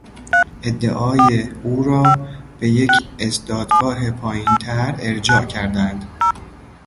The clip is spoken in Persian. ادعای او را به یک دادگاه پایینتر ارجاع کردهاند.